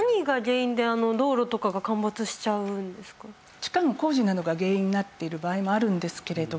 地下の工事などが原因になっている場合もあるんですけれども。